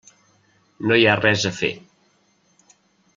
No hi ha res a fer.